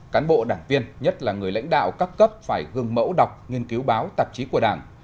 cán bộ đảng viên nhất là người lãnh đạo các cấp phải gương mẫu đọc nghiên cứu báo tạp chí của đảng